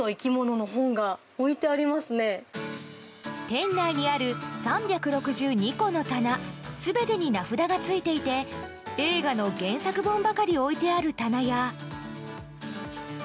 店内にある３６２個の棚全てに名札がついていて映画の原作本ばかり置いてある棚や。